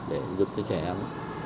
để giúp cho trẻ em